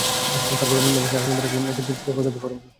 তারপর বাক্সের আরেক প্রান্তে রাখলেন একটা তেজস্ক্রিয় পদার্থের পরমাণু।